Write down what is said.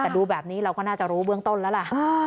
แต่ดูแบบนี้เราก็น่าจะรู้เบื้องต้นแล้วล่ะ